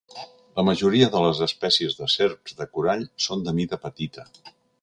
La majoria de les espècies de serps de corall són de mida petita.